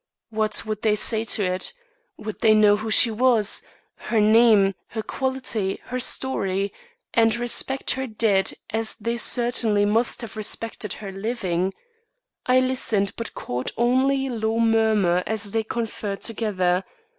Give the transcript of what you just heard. What would they say to it! Would they know who she was her name, her quality, her story and respect her dead as they certainly must have respected her living? I listened but caught only a low murmur as they conferred together.